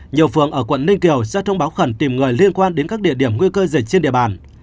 nhiều phường ở quận ninh kiều ra thông báo khẩn tìm người liên quan đến các địa điểm nguy cơ dịch trên địa bàn